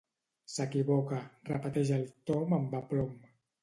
S'equivoca —repeteix el Tom amb aplom—.